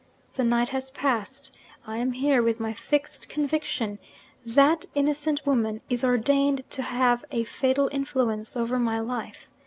The night has passed. I am here, with my fixed conviction that innocent woman is ordained to have a fatal influence over my life.